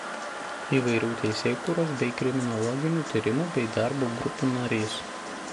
Įvairių teisėkūros bei kriminologinių tyrimų bei darbo grupių narys.